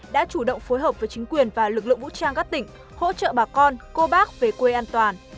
đã chủ động phối hợp với chính quyền và lực lượng vũ trang các tỉnh hỗ trợ bà con cô bác về quê an toàn